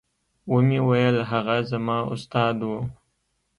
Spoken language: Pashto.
ومې ويل هغه زما استاد و.